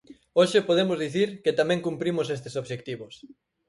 Hoxe podemos dicir que tamén cumprimos estes obxectivos.